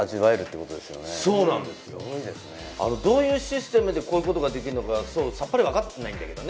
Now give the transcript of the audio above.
どういうシステムでこういうことができるのか、さっぱりわからないよね。